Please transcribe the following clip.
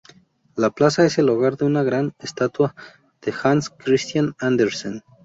La plaza es el hogar de una gran estatua de Hans Christian Andersen.